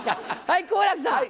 はい好楽さん！